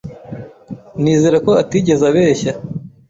Nizera ko atigeze abeshya.